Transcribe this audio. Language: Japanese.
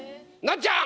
なっちゃん！